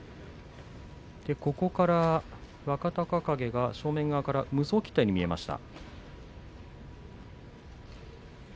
ここから若隆景が無双を切ったように見えました。